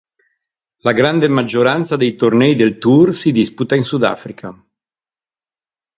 La grande maggioranza dei tornei del tour si disputa in Sudafrica.